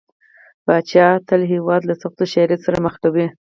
پاچا تل هيواد له سختو شرايطو سره مخ کوي .